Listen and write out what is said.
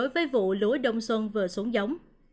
vừa xuống giống